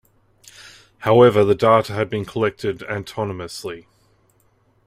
However the data had been collected antonymously.